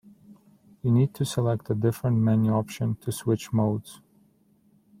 You need to select a different menu option to switch modes.